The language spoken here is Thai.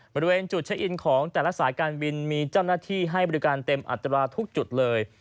บริเวณจุดเช็คอินของแต่ละสายการบินมีเจ้าหน้าที่ให้บริการเต็มอัตราทุกจุดเลย